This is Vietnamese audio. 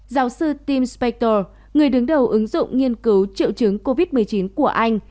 giáo sư tim spactor người đứng đầu ứng dụng nghiên cứu triệu chứng covid một mươi chín của anh